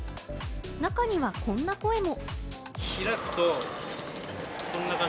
中にはこんな声も。